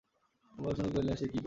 বরদাসুন্দরী কহিলেন, সে কী কথা?